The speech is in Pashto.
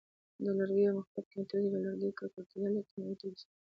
د لرګیو مخرب کیمیاوي توکي: د لرګیو ککړ کېدل له کیمیاوي توکو سره.